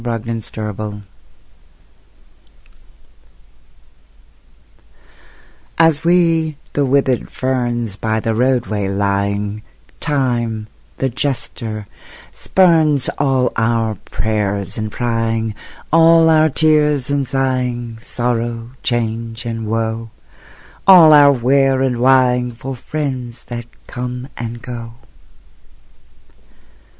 Ballade of Dead Friends As we the withered ferns By the roadway lying, Time, the jester, spurns All our prayers and prying All our tears and sighing, Sorrow, change, and woe All our where and whying For friends that come and go.